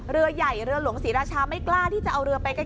เรือใหญ่เรือหลวงศรีราชาไม่กล้าที่จะเอาเรือไปใกล้